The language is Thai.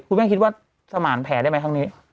คุณแม่คิดว่าสมานแผลได้ไหมครั้งนี้